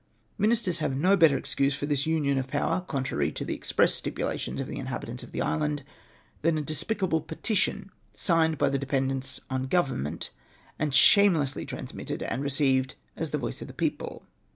jNIinisters have no better excuse for this union of power contrary to the express stipulations of the inhabitants of the island, than a despicable petition signed by the dependents on Government, and shamelessly trans mitted and received as the voice of the people